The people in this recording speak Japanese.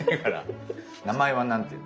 名前は何て言うの？